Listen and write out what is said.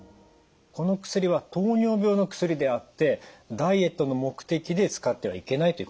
この薬は糖尿病の薬であってダイエットの目的で使ってはいけないということですね。